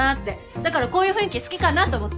だからこういう雰囲気好きかなと思って。